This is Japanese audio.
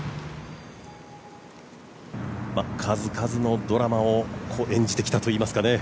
数々のドラマを演じてきたといいますか。